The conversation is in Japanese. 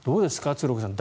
鶴岡さん